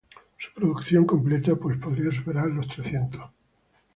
Su producción completa, pues, podría superar los trescientos.